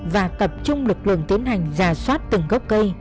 và tập trung lực lượng tiến hành giả soát từng gốc cây